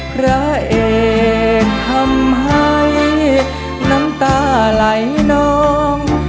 พระเอกทำให้น้ำตาไหลน้อง